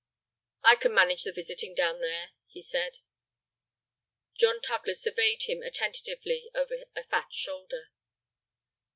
"I can manage the visiting down there," he said. John Tugler surveyed him attentively over a fat shoulder.